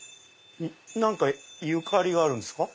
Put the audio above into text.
何かゆかりがあるんですか？